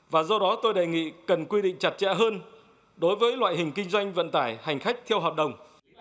và do đó tôi đề nghị cần quy định chặt chẽ hơn đối với loại hình kinh doanh vận tải hành khách theo hợp đồng